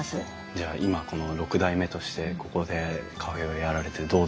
じゃあ今この６代目としてここでカフェをやられてどうですか？